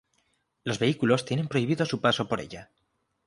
Los vehículos tienen prohibido su paso por ella.